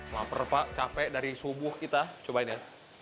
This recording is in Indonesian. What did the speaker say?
lapar pak capek dari subuh kita cobain ya